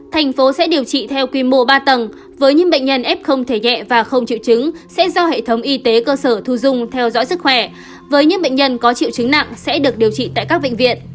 thành phố sẽ điều trị theo quy mô ba tầng với những bệnh nhân f thể nhẹ và không chịu chứng sẽ do hệ thống y tế cơ sở thu dung theo dõi sức khỏe với những bệnh nhân có triệu chứng nặng sẽ được điều trị tại các bệnh viện